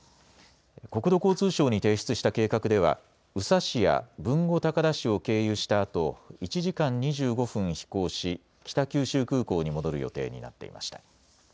国土交通省に提出した計画では宇佐市や豊後高田市を経由したあと１時間２５分飛行し北九州空港に戻る予定になっていました。